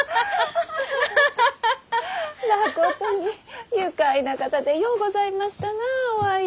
まことに愉快な方でようございましたなあ於愛。